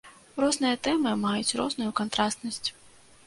Розныя тэмы маюць розную кантрастнасць.